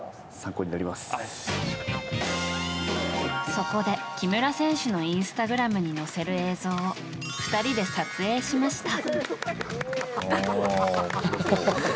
そこで、木村選手のインスタグラムに載せる映像を２人で撮影しました。